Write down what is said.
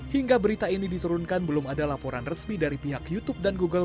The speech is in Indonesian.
hingga berita ini diturunkan belum ada laporan resmi dari pihak youtube dan google